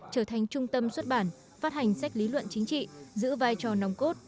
trở thành trung tâm xuất bản phát hành sách lý luận chính trị giữ vai trò nòng cốt